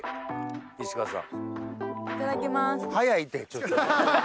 石川さん。